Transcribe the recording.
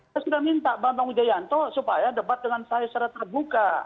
saya sudah minta bambang wijayanto supaya debat dengan saya secara terbuka